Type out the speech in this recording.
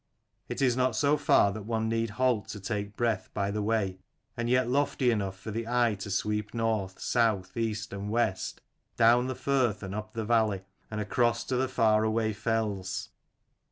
It is not so far that one need halt to take breath by the way, and yet lofty enough for the eye to sweep north, south, east and west, down the firth and up the valley, and across to the far away fells.